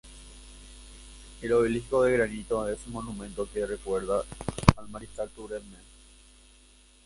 El obelisco de granito es un monumento que recuerda al mariscal Turenne.